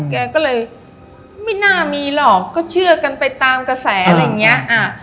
แกก็เลยไม่น่ามีหรอกก็เชื่อกันไปตามกระแสอะไรอย่างเงี้ย